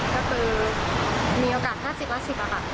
ก็คือมีโอกาส๕๐ละ๑๐ค่ะ